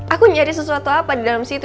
aku nyari sesuatu apa di dalam situ